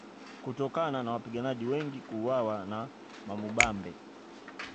Kutokana na wapiganaji wengi kuuawa na Mwamubambe